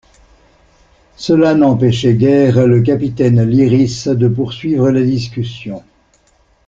Cela n'empêchait guère le capitaine Lyrisse de poursuivre la discussion.